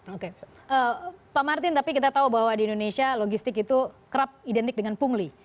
oke pak martin tapi kita tahu bahwa di indonesia logistik itu kerap identik dengan pungli